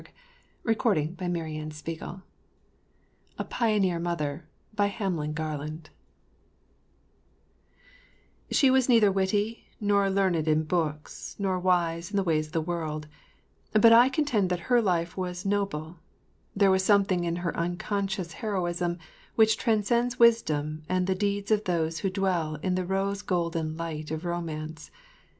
_ Copyright 1922 by Hamlin Garland THE TORCH PRESS CEDAR RAPIDS IOWA SHE was neither witty, nor learned in books, nor wise in the ways of the world, but I contend that her life was noble. There was something in her unconscious heroism which transcends wisdom and the deeds of those who dwell in the rose golden light of romance.